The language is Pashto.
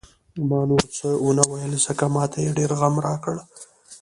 ما نور څه ونه ویل، ځکه ما ته یې ډېر غم راکړ.